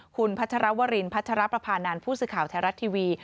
คุณพัชรวรินพัชรประพานันทร์ผู้สื่อข่าวไทยรัฐทีวี